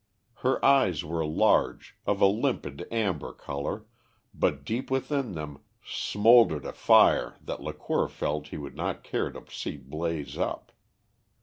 Her eyes were large, of a limpid amber colour, but deep within them smouldered a fire that Lacour felt he would not care to see blaze up.